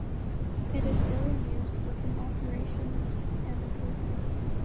It is still in use, with some alterations and improvements.